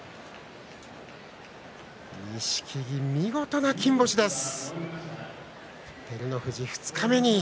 錦木、見事な金星です。